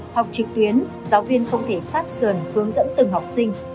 học trực tuyến giáo viên không thể sát sườn hướng dẫn từng học sinh